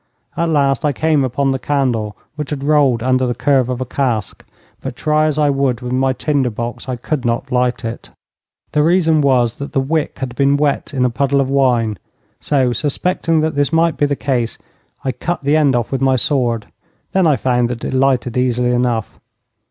At last I came upon the candle, which had rolled under the curve of a cask, but, try as I would with my tinderbox, I could not light it. The reason was that the wick had been wet in a puddle of wine, so suspecting that this might be the case, I cut the end off with my sword. Then I found that it lighted easily enough.